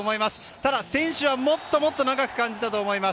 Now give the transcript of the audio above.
ただ、選手はもっともっと長く感じたと思います。